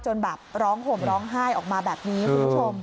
แบบร้องห่มร้องไห้ออกมาแบบนี้คุณผู้ชม